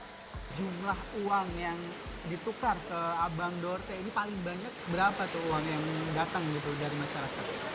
nah jumlah uang yang ditukar ke abang dorte ini paling banyak berapa tuh uang yang datang gitu dari masyarakat